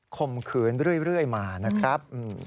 ข่มขืนเรื่อยมานะครับ